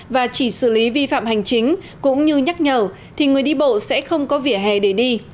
và chỉ xử lý vi phạm hành chính cũng như nhắc nhở thì người đi bộ sẽ không có vỉa hè để đi